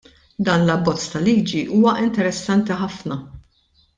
Dan l-Abbozz ta' Liġi huwa interessanti ħafna.